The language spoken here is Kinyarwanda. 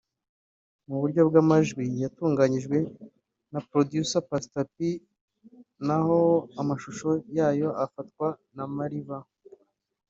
Mu buryo bw’amajwi yatunganyijwe na Producer Pastor P naho amashusho yayo afatwa na Mariva